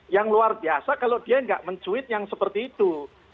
yang luar biasa kalau dia nggak mencuit yang seperti itu